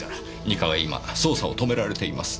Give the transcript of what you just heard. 二課は今捜査を止められています。